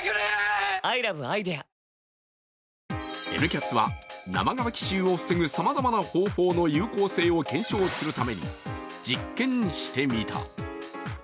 「Ｎキャス」は生乾き臭を防ぐさまざまな方法の有効性を検証するために実験してみた。